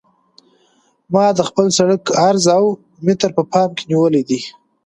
ما د خپل سرک عرض اوه متره په پام کې نیولی دی